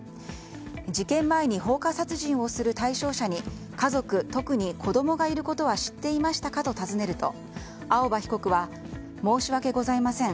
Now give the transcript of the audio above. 事件前に放火殺人をする対象者に家族、特に子供がいることは知っていましたかと尋ねると青葉被告は、申し訳ございません。